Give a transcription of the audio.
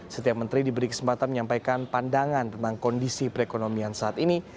setiap menteri diberi kesempatan menyampaikan pandangan tentang kondisi perekonomian saat ini